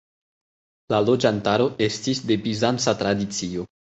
La loĝantaro estis de bizanca tradicio.